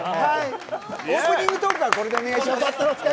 オープニングトークはこれでお願いします。